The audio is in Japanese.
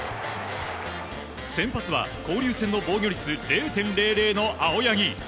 先発は、交流戦の防御率０．００の青柳。